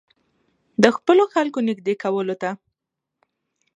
د خپلو خلکو نېږدې کولو ته.